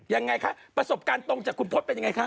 ยังไงคะประสบการณ์ตรงจากคุณพศเป็นยังไงคะ